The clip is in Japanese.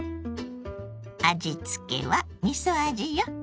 味付けはみそ味よ。